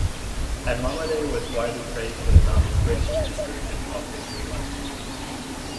And Momaday was widely praised for the novel's rich description of Indian life.